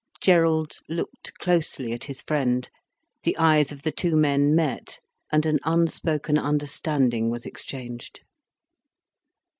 Gerald looked closely at his friend. The eyes of the two men met, and an unspoken understanding was exchanged.